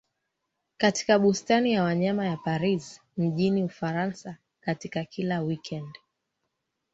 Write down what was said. katika bustani ya wanyama ya Paris mjini Ufaransa katika kila wikendi